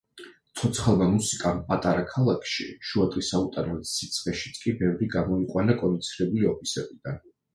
ცოცხალმა მუსიკამ პატარა ქალაქში, შუადღის აუტანელ სიცხეშიც კი ბევრი გამოიყვანა კონდიცირებული ოფისებიდან.